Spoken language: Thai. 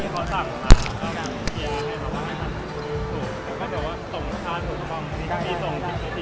ก็ถ้าเงียบก็ต้องหาโปรโมชั่น